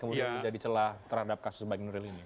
kemudian menjadi celah terhadap kasus baik nuril ini